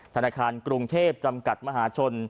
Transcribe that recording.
ธนาคารกรุงเทพจำกัดมหาชน